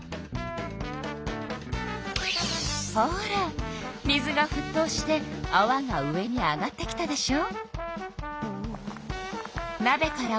ほら水がふっとうしてあわが上に上がってきたでしょう？